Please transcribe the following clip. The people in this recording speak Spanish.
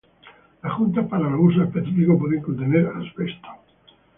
Las juntas para los usos específicos pueden contener asbesto.